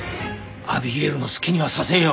アビゲイルの好きにはさせんよ。